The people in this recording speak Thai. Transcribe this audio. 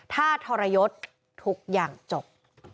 ถ้าทรยศทุกอย่างจบ